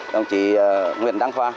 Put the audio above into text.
đồng chí nguyễn đăng khoa